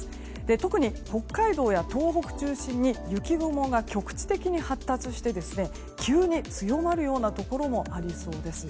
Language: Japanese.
特に北海道や東北中心に雪雲が局地的に発達して急に強まるようなところもありそうです。